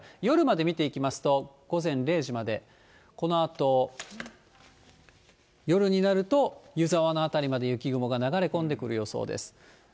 夜まで見ていきますと、午前０時まで、このあと夜になると、湯沢の辺りまで雪雲が流れ込んでくる予想です。